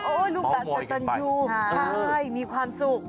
โอ้โฮลูกหลานเธอนั่นดีใช่มีความสุข